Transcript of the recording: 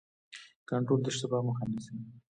کنټرول د اشتباه مخه نیسي